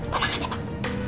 tolong aja pak